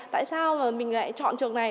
tại sao mà mình lại chọn trường này